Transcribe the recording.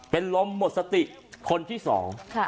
เป็นลมหมดสติคนที่สองค่ะ